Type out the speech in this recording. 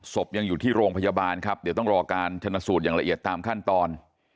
ยังอยู่ที่โรงพยาบาลครับเดี๋ยวต้องรอการชนะสูตรอย่างละเอียดตามขั้นตอน